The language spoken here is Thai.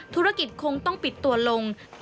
ธุรกิจคงต้องปิดตัวลง